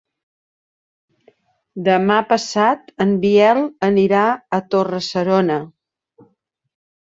Demà passat en Biel anirà a Torre-serona.